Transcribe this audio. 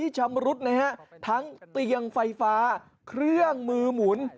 ชำรุดนะฮะทั้งเตียงไฟฟ้าเครื่องมือหมุน